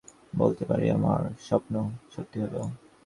যাই হোক আমি মনপ্রাণ থেকেই বলতে পারি আমার স্বপ্ন সত্যি হলো।